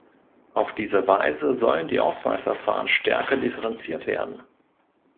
Auf diese Weise sollen die Auswahlverfahren stärker differenziert werden.